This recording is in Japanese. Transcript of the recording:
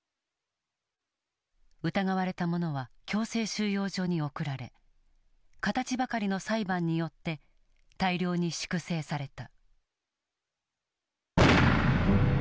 疑われた者は強制収容所に送られ形ばかりの裁判によって大量に粛清された。